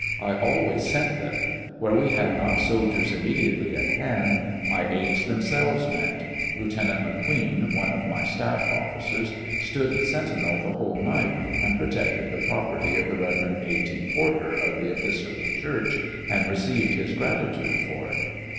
I always sent them ; where we had not soldiers immediately at hand, my aids themselves went ; Lieu tenant McQueen, one of my staff officers, stood sentinel the whole night, and protected the property of the Rev. A. T. Porter, of the Episcopal Church, and re ceived his gratitude for it.